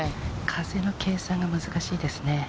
風の計算が難しいですね。